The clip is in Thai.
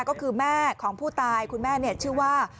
ก็คือแม่ของผู้ตายคุณแม่ชื่อว่า